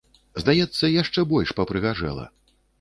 Здаецца, яшчэ больш папрыгажэла.